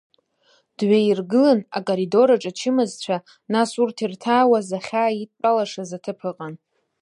Дҩаиргылан, акоридор аҿы ачымазцәа, нас урҭ ирҭаауаз ахьааидтәалашаз аҭыԥ ыҟан.